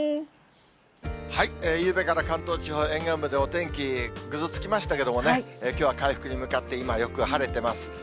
ゆうべから関東地方、沿岸部でお天気ぐずつきましたけれどもね、きょうは回復に向かって、今、よく晴れています。